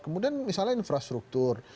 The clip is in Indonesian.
kemudian misalnya infrastruktur